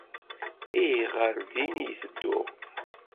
Ih, ɣer din i tedduɣ.